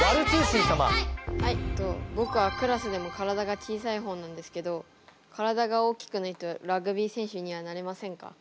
僕はクラスでも体が小さい方なんですけど体が大きくないとラグビー選手にはなれませんか？